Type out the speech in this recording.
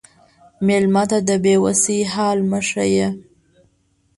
مېلمه ته د بې وسی حال مه ښیه.